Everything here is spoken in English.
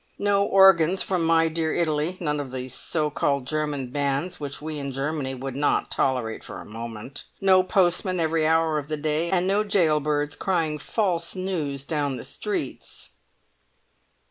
No organs from my dear Italy, none of those so called German bands which we in Germany would not tolerate for a moment; no postman every hour of the day, and no gaolbirds crying false news down the streets."